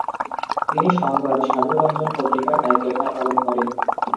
তিনি সংবাদ সাধুরঞ্জন পত্রিকার দায়িত্বভার পালন করেন।